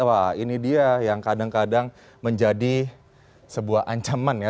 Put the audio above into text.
wah ini dia yang kadang kadang menjadi sebuah ancaman ya